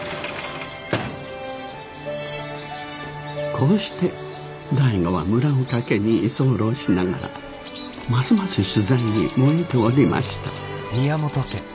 こうして醍醐は村岡家に居候しながらますます取材に燃えておりました。